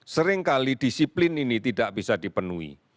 seringkali disiplin ini tidak bisa dipenuhi